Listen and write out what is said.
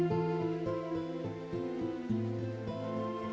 yang kuatkan mohon untuk anda